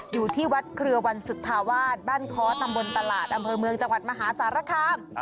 อยู่ที่วัดเครือวันสุธาวาสบ้านค้อตำบลตลาดอำเภอเมืองจังหวัดมหาสารคาม